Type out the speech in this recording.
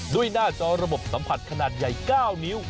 หน้าจอระบบสัมผัสขนาดใหญ่๙นิ้ว